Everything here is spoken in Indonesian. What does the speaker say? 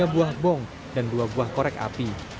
tiga buah bong dan dua buah korek api